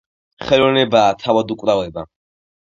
ხელოვნებაა თავად უკვდავება